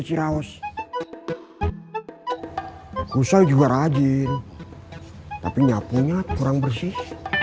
keraus usai juga rajin tapi nyapunya kurang bersih